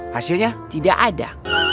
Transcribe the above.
hasilnya tidak ada